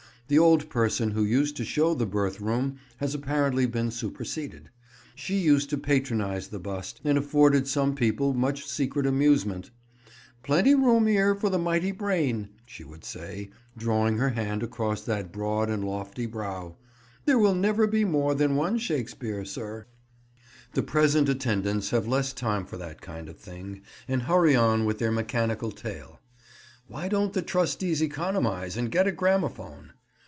The old person who used to show the birth room has apparently been superseded. She used to patronise the bust, and afforded some people much secret amusement. "Plenty room 'ere for the mighty brain," she would say, drawing her hand across that broad and lofty brow; "there will never be more than one Shakespeare, sir." [Picture: The Room in which Shakespeare was born] The present attendants have less time for that kind of thing, and hurry on with their mechanical tale. Why don't the Trustees economise, and get a gramophone?